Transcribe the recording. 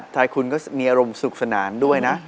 ทายคุณก็มีอารมณ์สุขสนานด้วยนะ